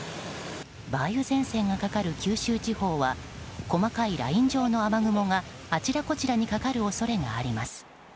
梅雨前線がかかる九州地方は細かいライン状の雨雲があちらこちらにかかる恐れがあります。